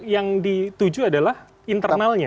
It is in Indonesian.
yang dituju adalah internalnya